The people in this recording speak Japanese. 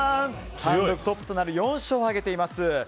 単独トップとなる４勝を挙げています。